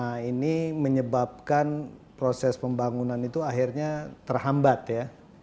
nah ini menyebabkan proses pembangunan itu akhirnya terhambat ya